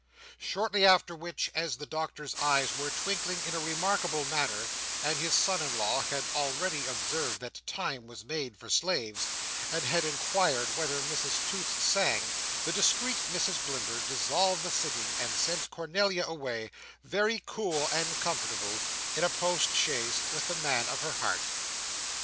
Shortly after which, as the Doctor's eyes were twinkling in a remarkable manner, and his son in law had already observed that time was made for slaves, and had inquired whether Mrs Toots sang, the discreet Mrs Blimber dissolved the sitting, and sent Cornelia away, very cool and comfortable, in a post chaise, with the man of her heart.